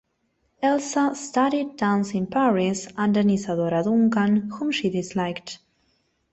Elsa studied dance in Paris under Isadora Duncan, whom she disliked.